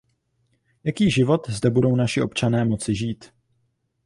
Jaký život zde budou naši občané moci žít?